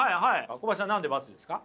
小林さん何で×ですか？